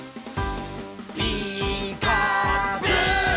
「ピーカーブ！」